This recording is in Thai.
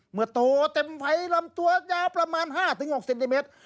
โตเต็มไวลำตัวยาวประมาณ๕๖เซนติเมตร